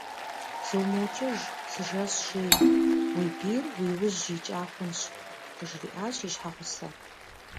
Зумыукӏыж, зы жэщ жей, уи бийр уи ужь икӏа хъунщ, - къыжриӏащ и щхьэгъусэм.